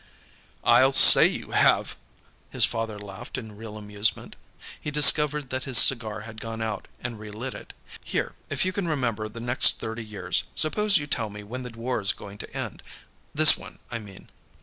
"I'll say you have!" His father laughed in real amusement. He discovered that his cigar had gone out, and re lit it. "Here; if you can remember the next thirty years, suppose you tell me when the War's going to end. This one, I mean."